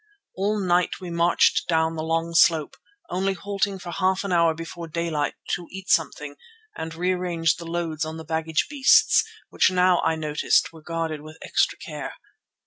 All night we marched down the long slope, only halting for half an hour before daylight to eat something and rearrange the loads on the baggage beasts, which now, I noticed, were guarded with extra care.